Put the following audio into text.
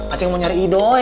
acing mau nyari idoi